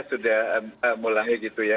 sudah mulai gitu ya